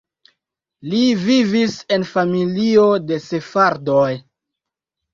Li vivis en familio de sefardoj.